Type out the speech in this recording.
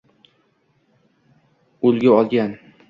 ulgu olgan